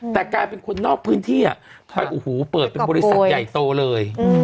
แต่กลายเป็นคนนอกพื้นที่ไปโอ้โหเปิดเป็นบริษัทใหญ่โตเลย